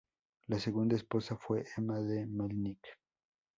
Su segunda esposa fue Emma de Mělník.